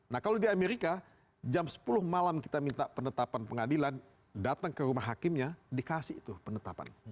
nah kalau di amerika jam sepuluh malam kita minta penetapan pengadilan datang ke rumah hakimnya dikasih itu penetapan